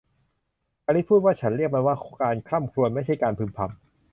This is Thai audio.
อลิซพูดว่า ฉันเรียกมันว่า การคร่ำครวญ ไม่ใช่การพึมพำ